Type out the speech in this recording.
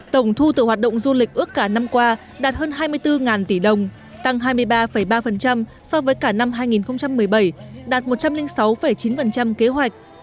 tổng thu tự hoạt động du lịch ước cả năm qua đạt hơn hai mươi bốn tỷ đồng tăng hai mươi ba ba so với cả năm hai nghìn một mươi bảy đạt một trăm linh sáu chín kế hoạch